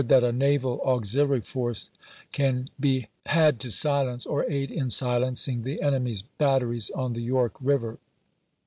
That a naval auxiliary force can he had to silence, or aid in silencing, the enemy's batteries on the York River.